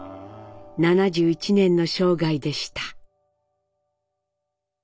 ７１年の生涯でした。